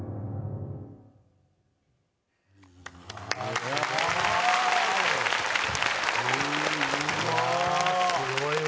すごいわ。